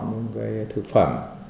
một cái thực phẩm